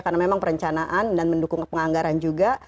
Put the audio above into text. karena memang perencanaan dan mendukung penganggaran juga